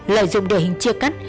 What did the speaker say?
lợi dụng địa hình chia cắt